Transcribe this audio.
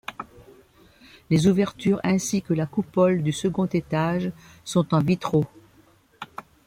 Les ouvertures ainsi que la coupole du second étage sont en vitraux.